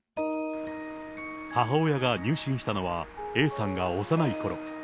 母親が入信したのはＡさんが幼いころ。